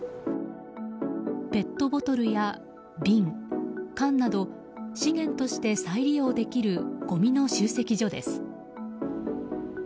ペットボトルや瓶、缶など資源として再利用できるごみの集積所です。